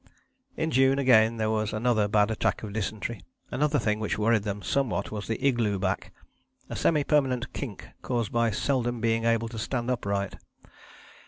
In June again there was another bad attack of dysentery. Another thing which worried them somewhat was the 'igloo back,' a semi permanent kink caused by seldom being able to stand upright.